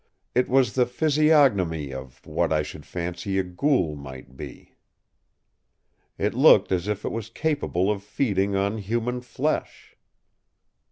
It was the physiognomy of what I should fancy a ghoul might be. It looked as if it was capable of feeding on human flesh.